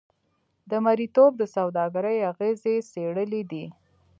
د مریتوب د سوداګرۍ اغېزې څېړلې دي.